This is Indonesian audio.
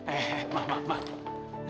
eh eh emang